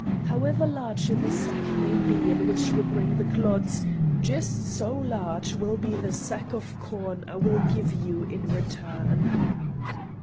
However large the sack may be in which you bring the clods, just so large will be the sack of corn I will give you in return."